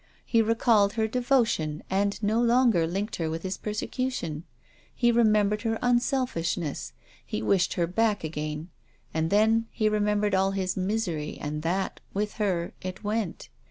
He recalled her devotion and no longer linked her with his persecution. He re membered her unselfishness. He wished her back again. And then — he remembered all his misery, and that, with her, it went.